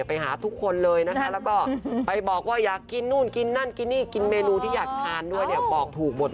ใช่นะคะก็พูดเหมือนที่เรินขวานบอกนะคะ